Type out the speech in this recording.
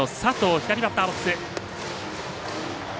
左バッターボックス。